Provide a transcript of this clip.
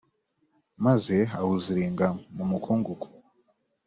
maze awuziringa mu mukungugu.